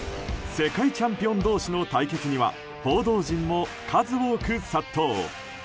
世界チャンピオン同士の対決には、報道陣も数多く殺到。